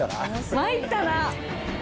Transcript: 「参ったな」。